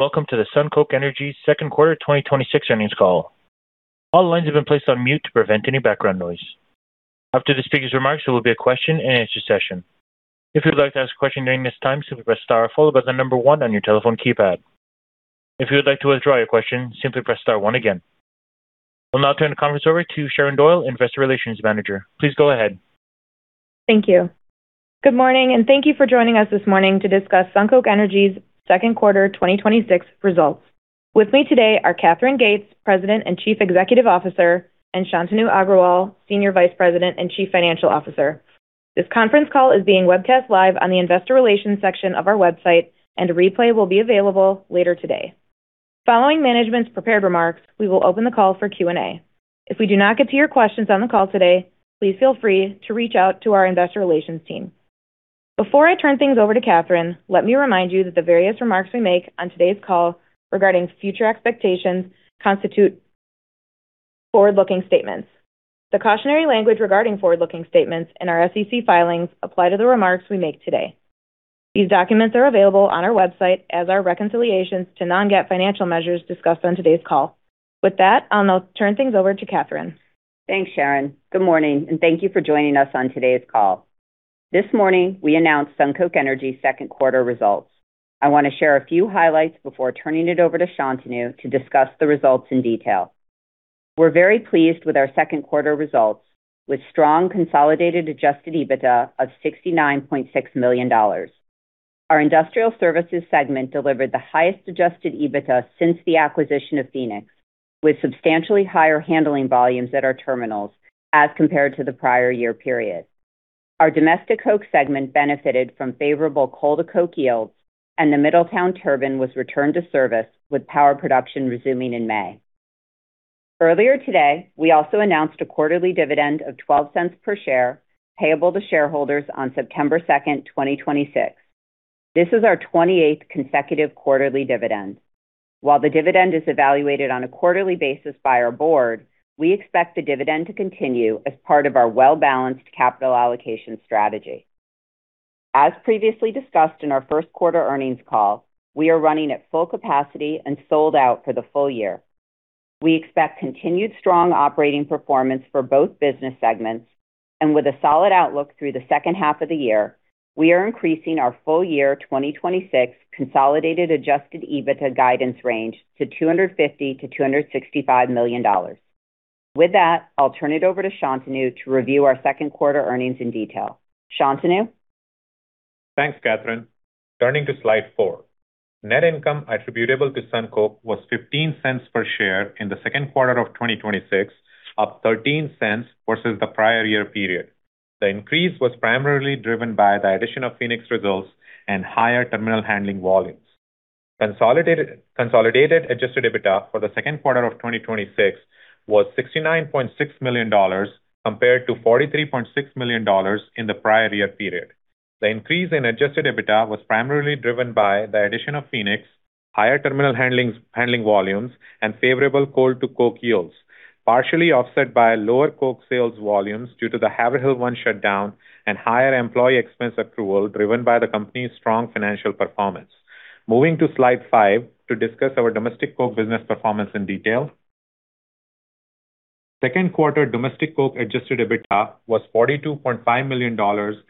Welcome to the SunCoke Energy second quarter 2026 earnings call. All lines have been placed on mute to prevent any background noise. After the speaker's remarks, there will be a question and answer session. If you would like to ask a question during this time, simply press star followed by one on your telephone keypad. If you would like to withdraw your question, simply press star one again. I'll now turn the conference over to Sharon Doyle, Manager, Investor Relations. Please go ahead. Thank you. Good morning, thank you for joining us this morning to discuss SunCoke Energy's second quarter 2026 results. With me today are Katherine Gates, President and Chief Executive Officer, and Shantanu Agrawal, Senior Vice President and Chief Financial Officer. This conference call is being webcast live on the investor relations section of our website, and a replay will be available later today. Following management's prepared remarks, we will open the call for Q&A. If we do not get to your questions on the call today, please feel free to reach out to our investor relations team. Before I turn things over to Katherine, let me remind you that the various remarks we make on today's call regarding future expectations constitute forward-looking statements. The cautionary language regarding forward-looking statements in our SEC filings apply to the remarks we make today. These documents are available on our website as are reconciliations to non-GAAP financial measures discussed on today's call. With that, I'll now turn things over to Katherine. Thanks, Sharon. Good morning, thank you for joining us on today's call. This morning, we announced SunCoke Energy's second quarter results. I want to share a few highlights before turning it over to Shantanu to discuss the results in detail. We're very pleased with our second quarter results with strong consolidated adjusted EBITDA of $69.6 million. Our industrial services segment delivered the highest adjusted EBITDA since the acquisition of Phoenix, with substantially higher handling volumes at our terminals as compared to the prior year period. Our domestic coke segment benefited from favorable coal-to-coke yields, and the Middletown turbine was returned to service with power production resuming in May. Earlier today, we also announced a quarterly dividend of $0.12 per share payable to shareholders on September 2nd, 2026. This is our 28th consecutive quarterly dividend. While the dividend is evaluated on a quarterly basis by our board, we expect the dividend to continue as part of our well-balanced capital allocation strategy. As previously discussed in our first quarter earnings call, we are running at full capacity and sold out for the full year. We expect continued strong operating performance for both business segments, and with a solid outlook through the second half of the year, we are increasing our full year 2026 consolidated adjusted EBITDA guidance range to $250 million-$265 million. With that, I'll turn it over to Shantanu to review our second quarter earnings in detail. Shantanu? Thanks, Katherine. Turning to slide four. Net income attributable to SunCoke was $0.15 per share in the second quarter of 2026, up $0.13 versus the prior year period. The increase was primarily driven by the addition of Phoenix results and higher terminal handling volumes. Consolidated adjusted EBITDA for the second quarter of 2026 was $69.6 million, compared to $43.6 million in the prior year period. The increase in adjusted EBITDA was primarily driven by the addition of Phoenix, higher terminal handling volumes, and favorable coal-to-coke yields, partially offset by lower coke sales volumes due to the Haverhill one shutdown and higher employee expense accrual driven by the company's strong financial performance. Moving to slide five to discuss our domestic coke business performance in detail. Second quarter domestic coke adjusted EBITDA was $42.5 million,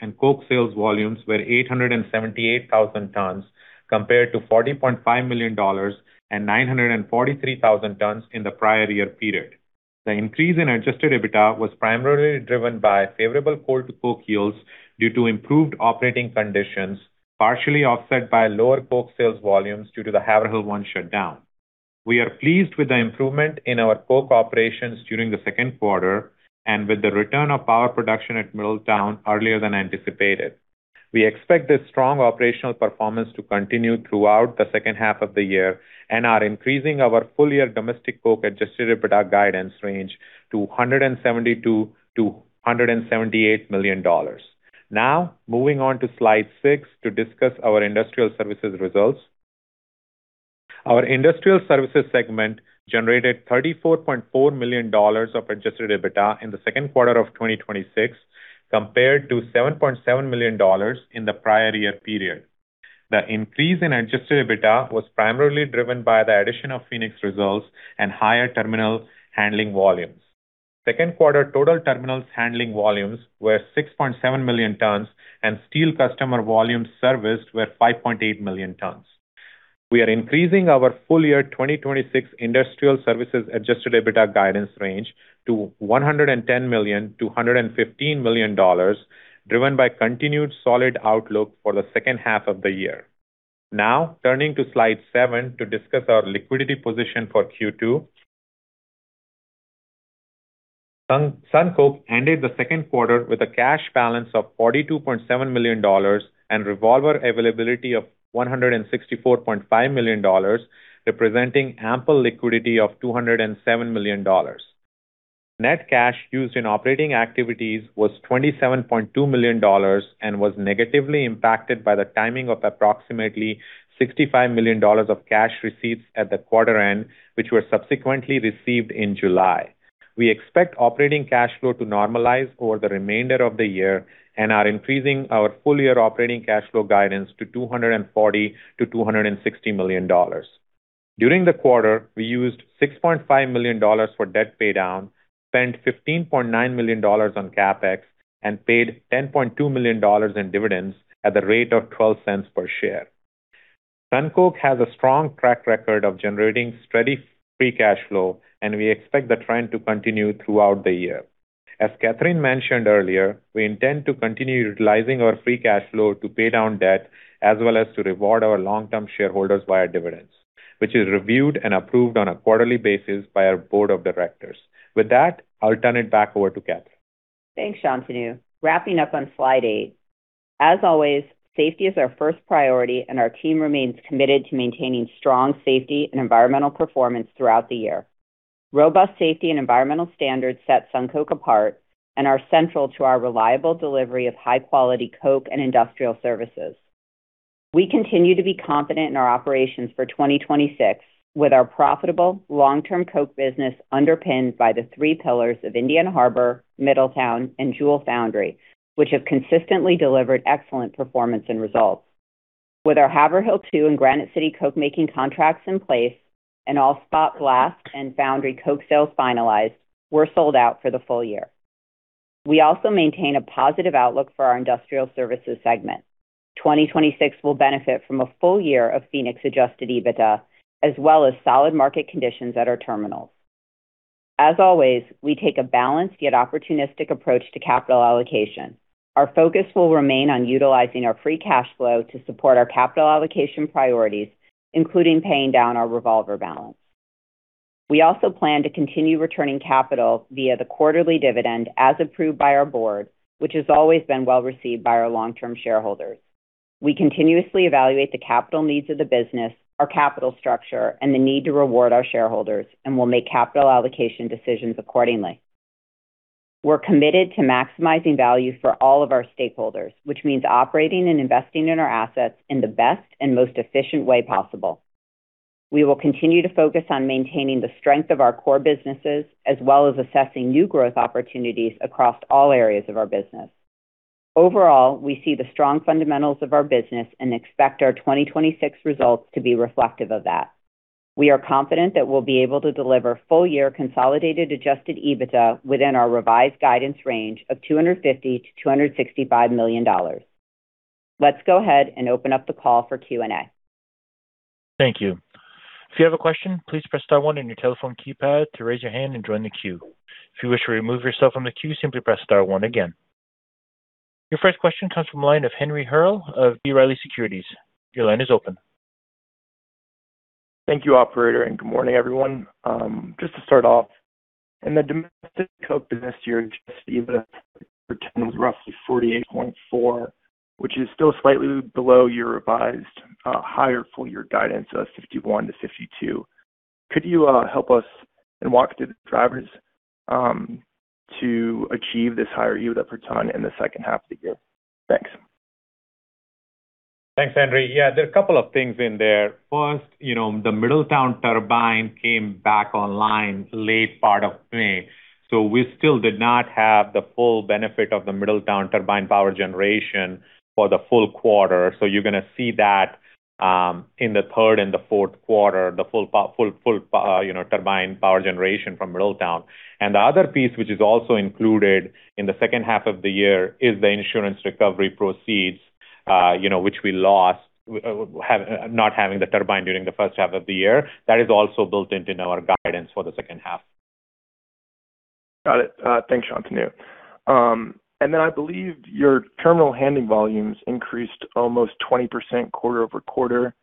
and coke sales volumes were 878,000 tons compared to $40.5 million and 943,000 tons in the prior year period. The increase in adjusted EBITDA was primarily driven by favorable coal-to-coke yields due to improved operating conditions, partially offset by lower coke sales volumes due to the Haverhill one shutdown. We are pleased with the improvement in our coke operations during the second quarter and with the return of power production at Middletown earlier than anticipated. We expect this strong operational performance to continue throughout the second half of the year and are increasing our full-year domestic coke adjusted EBITDA guidance range to $172 million-$178 million. Moving on to slide six to discuss our industrial services results. Our industrial services segment generated $34.4 million of adjusted EBITDA in the second quarter of 2026, compared to $7.7 million in the prior year period. The increase in adjusted EBITDA was primarily driven by the addition of Phoenix results and higher terminal handling volumes. Second quarter total terminals handling volumes were 6.7 million tons, and steel customer volumes serviced were 5.8 million tons. We are increasing our full year 2026 industrial services adjusted EBITDA guidance range to $110 million-$115 million, driven by continued solid outlook for the second half of the year. Turning to slide seven to discuss our liquidity position for Q2. SunCoke ended the second quarter with a cash balance of $42.7 million and revolver availability of $164.5 million, representing ample liquidity of $207 million. Net cash used in operating activities was $27.2 million and was negatively impacted by the timing of approximately $65 million of cash receipts at the quarter end, which were subsequently received in July. We expect operating cash flow to normalize over the remainder of the year and are increasing our full-year operating cash flow guidance to $240 million-$260 million. During the quarter, we used $6.5 million for debt paydown, spent $15.9 million on CapEx, and paid $10.2 million in dividends at the rate of $0.12 per share. SunCoke has a strong track record of generating steady free cash flow, and we expect the trend to continue throughout the year. As Katherine mentioned earlier, we intend to continue utilizing our free cash flow to pay down debt, as well as to reward our long-term shareholders via dividends, which is reviewed and approved on a quarterly basis by our board of directors. With that, I'll turn it back over to Katherine. Thanks, Shantanu. Wrapping up on slide eight. As always, safety is our first priority, and our team remains committed to maintaining strong safety and environmental performance throughout the year. Robust safety and environmental standards set SunCoke apart and are central to our reliable delivery of high-quality coke and industrial services. We continue to be confident in our operations for 2026 with our profitable long-term coke business underpinned by the three pillars of Indiana Harbor, Middletown, and Jewell Foundry, which have consistently delivered excellent performance and results. With our Haverhill two and Granite City coke making contracts in place and all spot blast and foundry coke sales finalized, we're sold out for the full year. We also maintain a positive outlook for our industrial services segment. 2026 will benefit from a full year of Phoenix adjusted EBITDA, as well as solid market conditions at our terminals. As always, we take a balanced yet opportunistic approach to capital allocation. Our focus will remain on utilizing our free cash flow to support our capital allocation priorities, including paying down our revolver balance. We also plan to continue returning capital via the quarterly dividend as approved by our board, which has always been well-received by our long-term shareholders. We continuously evaluate the capital needs of the business, our capital structure, and the need to reward our shareholders, and we'll make capital allocation decisions accordingly. We're committed to maximizing value for all of our stakeholders, which means operating and investing in our assets in the best and most efficient way possible. We will continue to focus on maintaining the strength of our core businesses, as well as assessing new growth opportunities across all areas of our business. Overall, we see the strong fundamentals of our business and expect our 2026 results to be reflective of that. We are confident that we'll be able to deliver full-year consolidated adjusted EBITDA within our revised guidance range of $250 million-$265 million. Let's go ahead and open up the call for Q&A. Thank you. If you have a question, please press star one on your telephone keypad to raise your hand and join the queue. If you wish to remove yourself from the queue, simply press star one again. Your first question comes from the line of Henry Hearle of B. Riley Securities. Your line is open. Thank you, operator. Good morning, everyone. Just to start off, in the domestic coke business, your adjusted EBITDA per ton was roughly $48.4, which is still slightly below your revised higher full-year guidance of $51-$52. Could you help us and walk through the drivers to achieve this higher EBITDA per ton in the second half of the year? Thanks. Thanks, Henry. Yeah, there are a couple of things in there. First, the Middletown turbine came back online late part of May. We still did not have the full benefit of the Middletown turbine power generation for the full quarter. You're going to see that in the third and the fourth quarter, the full turbine power generation from Middletown. The other piece, which is also included in the second half of the year, is the insurance recovery proceeds which we lost not having the turbine during the first half of the year. That is also built into our guidance for the second half. Got it. Thanks, Shantanu. I believe your terminal handling volumes increased almost 20% quarter-over-quarter.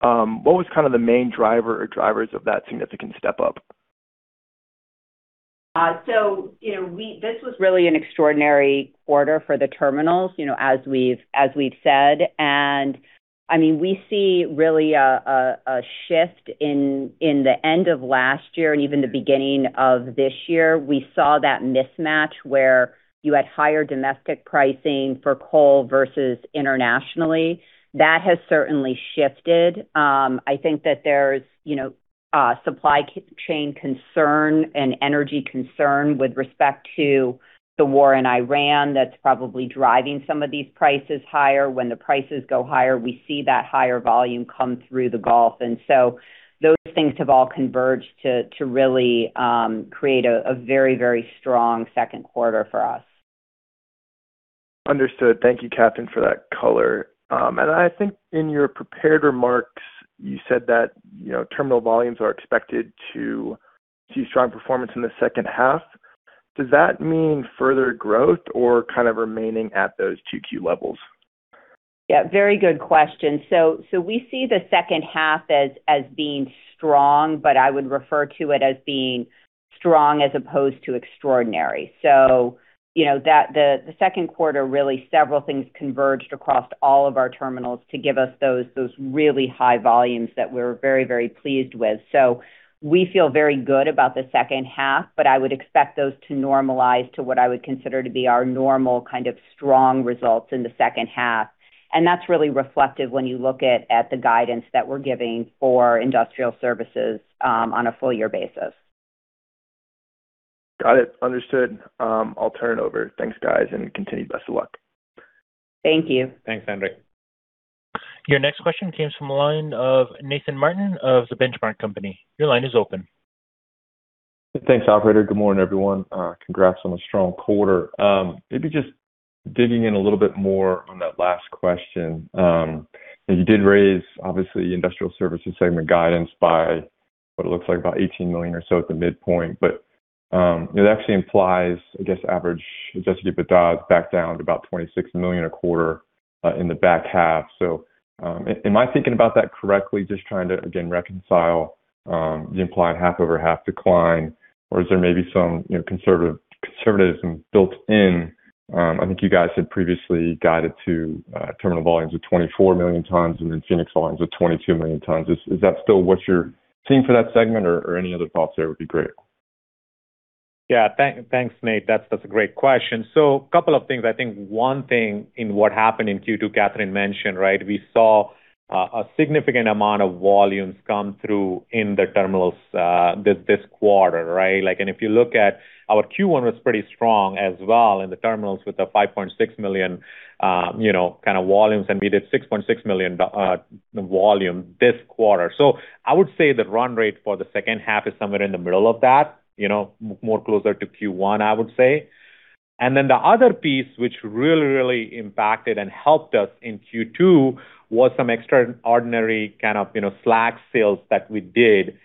What was kind of the main driver or drivers of that significant step-up? This was really an extraordinary quarter for the terminals, as we've said. We see really a shift in the end of last year and even the beginning of this year. We saw that mismatch where you had higher domestic pricing for coal versus internationally, that has certainly shifted. I think that there's supply chain concern and energy concern with respect to the war in Iran that's probably driving some of these prices higher. When the prices go higher, we see that higher volume come through the Gulf. Those things have all converged to really create a very strong second quarter for us. Understood. Thank you, Katherine, for that color. I think in your prepared remarks, you said that terminal volumes are expected to see strong performance in the second half. Does that mean further growth or kind of remaining at those 2Q levels? Yeah. Very good question. We see the second half as being strong, but I would refer to it as being strong as opposed to extraordinary. The second quarter, really several things converged across all of our terminals to give us those really high volumes that we're very pleased with. We feel very good about the second half, but I would expect those to normalize to what I would consider to be our normal kind of strong results in the second half. That's really reflective when you look at the guidance that we're giving for industrial services on a full year basis. Got it. Understood. I'll turn it over. Thanks, guys, and continued best of luck. Thank you. Thanks, Henry. Your next question comes from the line of Nathan Martin of The Benchmark Company. Your line is open. Thanks, operator. Good morning, everyone. Congrats on a strong quarter. Maybe just digging in a little bit more on that last question. You did raise, obviously, Industrial Services Segment guidance by what it looks like about $18 million or so at the midpoint. It actually implies, I guess, average adjusted EBITDA back down to about $26 million a quarter, in the back half. Am I thinking about that correctly? Just trying to, again, reconcile the implied half-over-half decline or is there maybe some conservatism built in? I think you guys had previously guided to terminal volumes of 24 million tons and then Phoenix volumes of 22 million tons. Is that still what you're seeing for that segment or any other thoughts there would be great. Yeah, thanks, Nate. That's a great question. A couple of things, I think one thing in what happened in Q2, Katherine mentioned, right? We saw a significant amount of volumes come through in the terminals this quarter, right? If you look at our Q1 was pretty strong as well in the terminals with the 5.6 million kind of volumes, we did 6.6 million volume this quarter. I would say the run rate for the second half is somewhere in the middle of that, more closer to Q1, I would say. The other piece which really impacted and helped us in Q2 was some extraordinary kind of slag sales that we did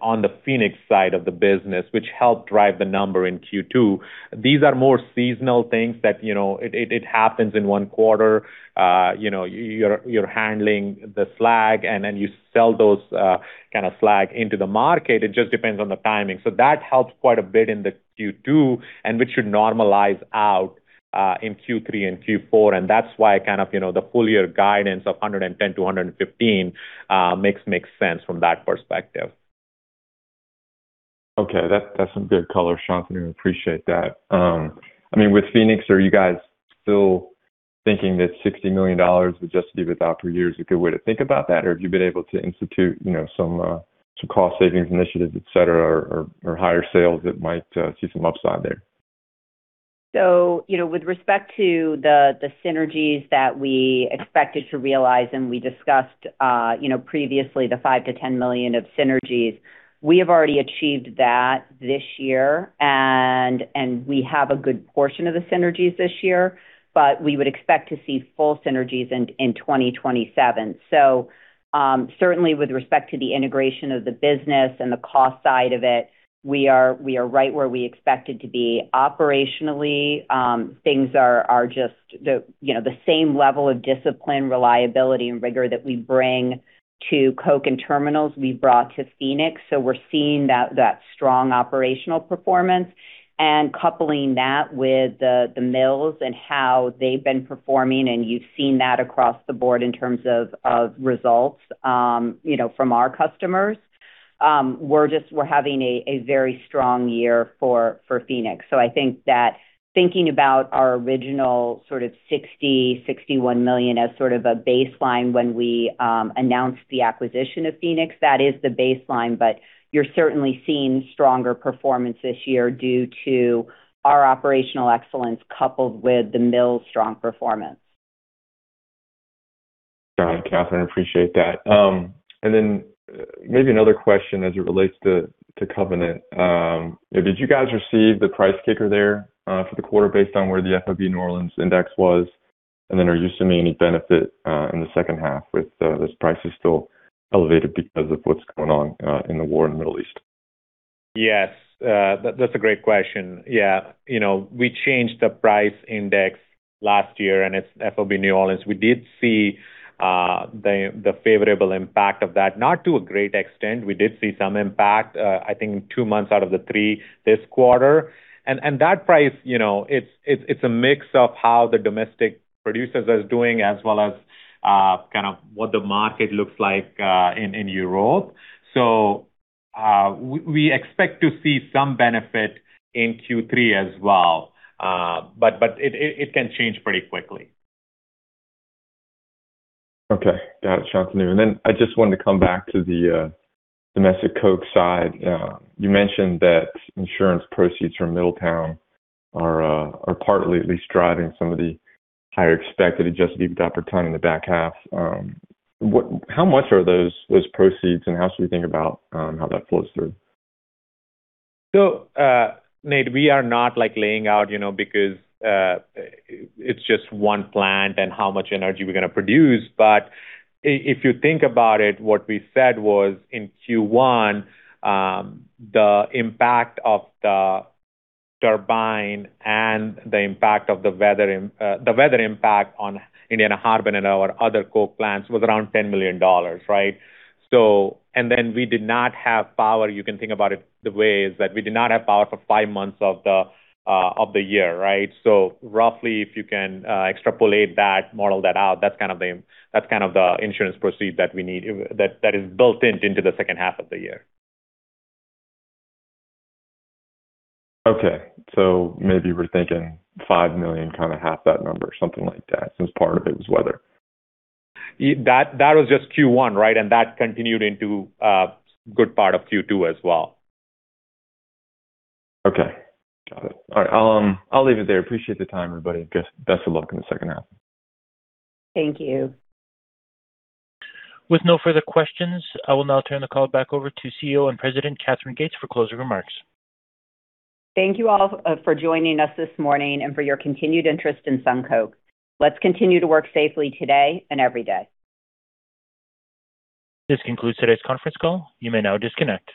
on the Phoenix side of the business, which helped drive the number in Q2. These are more seasonal things that it happens in one quarter. You're handling the slag and then you sell those kind of slag into the market. It just depends on the timing, so that helps quite a bit in the Q2 and which should normalize out in Q3 and Q4. That's why kind of the full year guidance of $110 million-$115 million makes sense from that perspective. Okay, that's some good color, Shantanu. Appreciate that. With Phoenix, are you guys still thinking that $60 million adjusted EBITDA per year is a good way to think about that or have you been able to institute some cost savings initiatives, et cetera, or higher sales that might see some upside there? With respect to the synergies that we expected to realize and we discussed previously the $5 million-$10 million of synergies, we have already achieved that this year. We have a good portion of the synergies this year, but we would expect to see full synergies in 2027. Certainly with respect to the integration of the business and the cost side of it, we are right where we expected to be. Operationally, things are just the same level of discipline, reliability, and rigor that we bring to Coke and Terminals we brought to Phoenix. We're seeing that strong operational performance and coupling that with the mills and how they've been performing. You've seen that across the board in terms of results from our customers. We're having a very strong year for Phoenix, so I think that thinking about our original sort of $60 million-$61 million as sort of a baseline when we announced the acquisition of Phoenix, that is the baseline, but you're certainly seeing stronger performance this year due to our operational excellence coupled with the mill's strong performance. Got it, Katherine. Appreciate that. Maybe another question as it relates to covenant. Did you guys receive the price kicker there for the quarter based on where the FOB New Orleans index was? Are you assuming any benefit in the second half with those prices still elevated because of what's going on in the war in the Middle East? Yes. That's a great question. We changed the price index last year, it's FOB New Orleans. We did see the favorable impact of that, not to a great extent. We did see some impact I think two months out of the three this quarter. That price it's a mix of how the domestic producers are doing as well as kind of what the market looks like in Europe. We expect to see some benefit in Q3 as well. It can change pretty quickly. Okay. Got it, Shantanu. I just wanted to come back to the domestic coke side. You mentioned that insurance proceeds from Middletown are partly at least driving some of the higher expected adjusted EBITDA per ton in the back half. How much are those proceeds and how should we think about how that flows through? Nate, we are not laying out because it's just one plant and how much energy we're going to produce. If you think about it, what we said was in Q1, the impact of the turbine and the weather impact on Indiana Harbor and our other coke plants was around $10 million, right? We did not have power. You can think about it the way is that we did not have power for five months of the year, right? Roughly, if you can extrapolate that, model that out, that's kind of the insurance proceed that we need that is built into the second half of the year. Okay. Maybe we're thinking $5 million, kind of half that number or something like that since part of it was weather. That was just Q1, right? That continued into a good part of Q2 as well. Okay. Got it. All right. I'll leave it there. Appreciate the time, everybody, and best of luck in the second half. Thank you. With no further questions, I will now turn the call back over to CEO and President, Katherine Gates, for closing remarks. Thank you all for joining us this morning and for your continued interest in SunCoke. Let's continue to work safely today and every day. This concludes today's conference call. You may now disconnect.